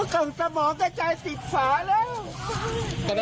แสดงว่ามันไหวมากเลยมันมาปุ๊บจริงเลยหรอ